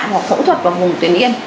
hoặc phẫu thuật vào vùng tuyến yên